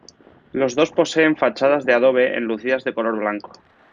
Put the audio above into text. Los dos poseen fachadas de adobe enlucidas de color blanco.